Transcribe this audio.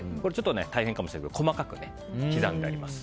大変かもしれませんが細かく刻んであります。